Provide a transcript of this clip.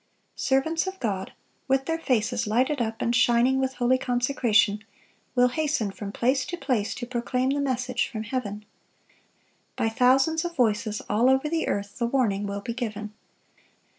(1051) Servants of God, with their faces lighted up and shining with holy consecration, will hasten from place to place to proclaim the message from heaven. By thousands of voices, all over the earth, the warning will be given.